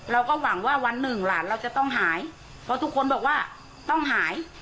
เราก็หวังว่าวันหนึ่งหลานเราจะต้องหายเพราะทุกคนบอกว่าต้องหาย